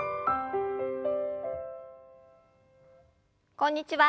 こんにちは。